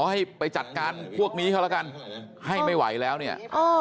ให้ไปจัดการพวกนี้เขาแล้วกันให้ไม่ไหวแล้วเนี่ย